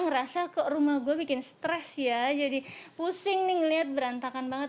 ngerasa kok rumah gue bikin stres ya jadi pusing nih ngeliat berantakan banget